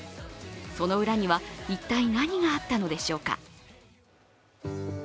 その裏には一体、何があったのでしょうか。